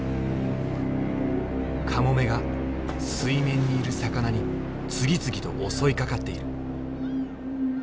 カモメが水面にいる魚に次々と襲いかかっている。